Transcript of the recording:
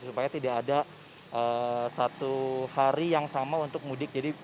supaya tidak ada satu hari yang sama untuk mudik